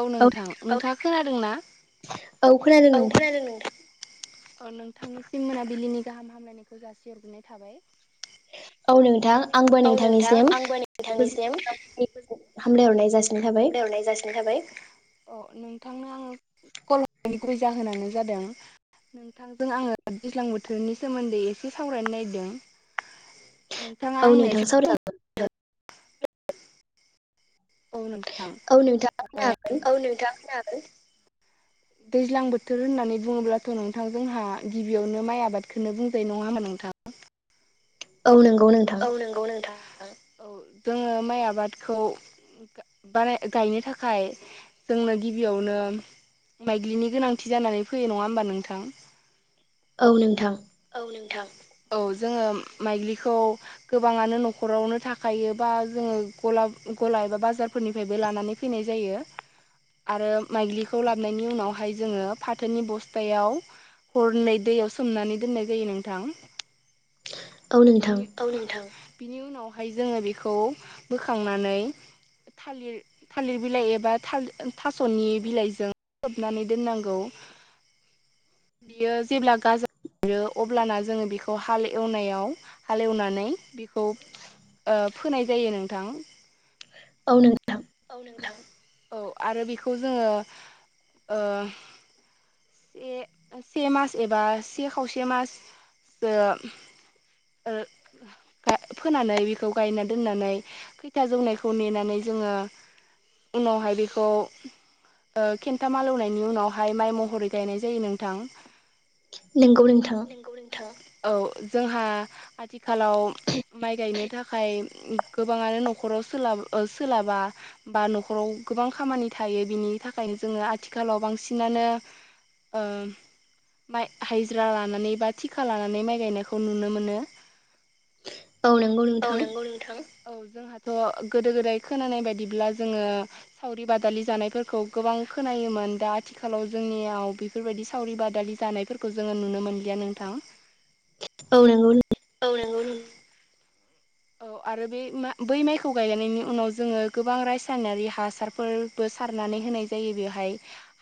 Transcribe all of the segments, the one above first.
औ नोंथां नोंथाङा खोनादों ना औ खोनादों औ नोंथां खोनादों नोंथां। अह नोंथांनिसिम मोनाबिलिनि गाहाम हामलायनायखौ जासिहरग्रोनाय थाबाय। औ नोंथां आंबो औ नोंथां नोंथांनिसिम आंबो नोंथांनिसिम गोजोन हामलायहरनाय जासिनाय थाबाय। अह नोंथांनो आङो कल हरनायनि गुबै जाहोनानो जादों [unintelligible] नोंथांजों आङो दैज्लां बोथोरनि सोमोन्दै एसे सावरायनो नागिरदों। नोंथां औ नोंथां सावराय जागोन। [inaudible] औ नोंथां सावरायजागोन औ नोंथां खोनादों। दैज्लां बोथोर होननानै बुङोब्लाथ' नोंथां जोंहा गिबियावनो माइ आबादखौनो बुंजायो नङा होनबा नोंथां। औ नंगौ नोंथां। औ नंगौ नोंथां औ जोङो माइ आबादखौ बा गायनो थाखाय जोंनो गिबियावनो माइज्लि गोनांथि जानानै फैयो नङा होमबा नोंथां। औ नोंथां। औ नोंथां औ जोङो माइज्लिखौ गोबाङानो न'खरावनो थाखायो बा जोङो गला गला एबा बाजार फोरनिफ्रायबो लानानै फैनाय जायो। आरो माइज्लिखौ लाबोननि उनावहाय जोङो फाथोनि बस्थायाव हरननाय दैयाव सोमनानै दोननाय जायो नोंथां औ नोंथां बिनि औ नोंथा बिनि उनावहाय जोङो बेखौ बोखांनानै थालिर थालिर बिलाइ एबााल थास'नि बिलाइजों खोबनानै दोननांगौ बियो जेब्ला गाजा आरो अब्लाना जोङो बेखौ हाल एवनायाव हाल एवनानै बेखौ ओ फोनाय जायो नोंथां। औ नों औ नोंथां औ आरो बेखौ जोङो ओ से से मास एबा से खावसे मास जो [inaudible] ओ फोनानै बेखौ गायना दोननानै खैथा जौनायखौ नेनानै जोङो उनावहाय बेखौ ओ खेन्था हालेवनायनि उनावहाय माइ महरै गायनाय जायो नोंथां। नोंगौ नोंथां। औ जोंहा आथिखालाव माइ गायनो थाखाय गोबाङानो न'खराव सोला सोलाबा। बा न'खराव गोबां खामानि थायो बिनि थाखायनो जोङो आथिखालाव बांसिनानो ओं माइ हजिरा लानानै बा थिखा लानानै माइ गायनायखौ नुनो मोनो। औ नंगौ औ नोंथां नंगौ नोंथां। औ जोंहाथ' गोदो गोदाय खोनानाय बायदिब्ला जोङो सावरि बादालि जानायफोरखौ गोबां खोनायोमोन दा आथिखालाव जोंनियाव बेफोरबायदि सावरि बादालि जानायफोरखौ जोङो नुनो मोनलिया नोंथां। औ नंगौ। औ नंगौ औ आरो बे बै माइखौ गायांनायनि उनाव जोङो गोबां रासायनारि हासारफोर बो सारनानै होनाय जायो बेवहाय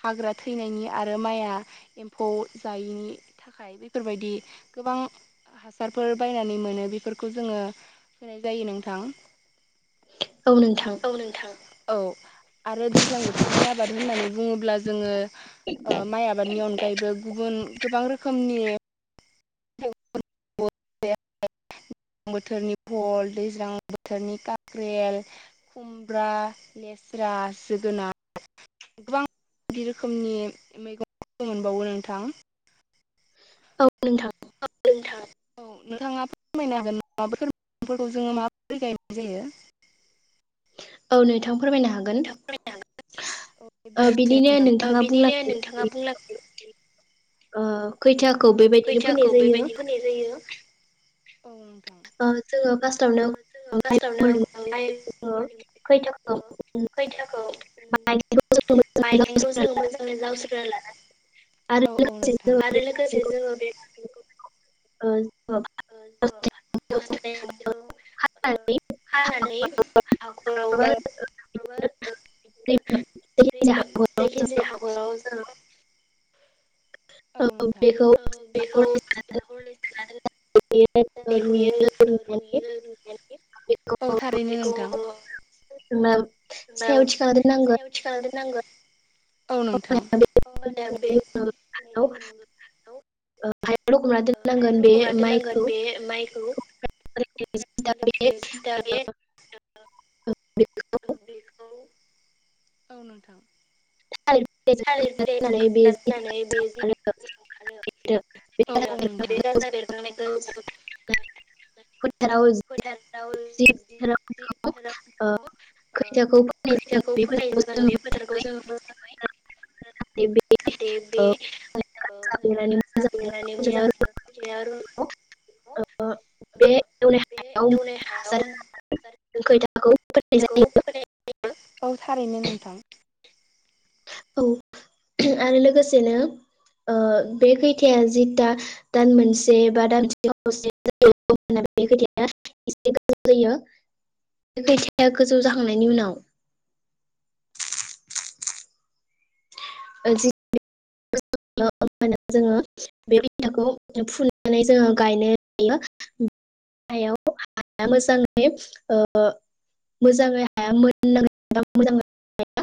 हाग्रा थैनायनि आरो माइआ एम्फौ जायैनि थाखाय बेफोरबायदि गोबां हासारफोर बायनानै मोनो बेफोरखौ जोङो होनाय जायो नोंथां। औ नोंथां। औ नोंथां औ आरो दैज्लां बोथोरनि आबाद होननानै बुङोब्ला जोङो ओ माइ आबादनि अनगायैबो गुबुन गोबां रोखोमनि [unintelligible] बोथोरनि फल दैज्लां बोथोरनि काख्रेल खुमब्रा लेस्रा जोगोनार गोबांदि रोखोमनि मैगं मोनबावो नोंथां। औ नोंथां। औ नोंथां। नोंथाङा फोरमायनो हागोन माफोरफोरखौ जोङो माबोरै गायनाय जायो। औ नोंथां फोरमायनो हागोन। औ गोन ओ बि बुंनायसाय नोंथां नोंथाङा बुंनांगौ। ओ औ खैथाखौ बेबायदिनो फोननाय जायो। जैयो। ओं जों फास फासथावनो खैथाखौ बायखौ खैथाखौ जोङो मोजाङै लावसगोना लानानै आरो औ औ लोगोसे नोंथां जोङो बे आरो लोगो लोगो बे ओंज खानानै [unintelligible] हाखराव हाखराव [unintelligible] [unintelligible] औ जोङो बेखौ नोंथां औ बेखौ रुयो रुनानै [unintelligible] औ थारैनो नोंथां। जों सायावथिखोना दोन नांगोन। औ नोंथां औ हायाव लखबना दोननांगोन बे माइखौ [unintelligible] आं बेखौ बेखौ औ नोंथां। थालिर बिलाइजों थालिर खोबना से दोननानै खदादनानै बे बे [unintelligible] फोथाराव [unintelligible] फोथारखौ जों मो‌जांङै [unintelligible] ओ बेयो गाजा मोजाङै बेरनानै खोथिया रज'यो मोजांङैनो बे एवनाय [unintelligible] बे हायाव एवनाय हायाव [unintelligible] फोनाय जायो औ थारैनो नोंथां औ आरो लोगोसेनो ओ बे खैथाया जिथा दान मोनसे बा दानसेसो जायो [unintelligible] फैसाया गोजौ जाखांनायनि उनाव [unintelligible] [unintelligible] होनो जोंङो बे बिखौ फुनानै जोंङो गायनाय जायो। हायाव हाया मोजाङै ओ मोजाङै हाया मोननांगोन मोजांङै हाया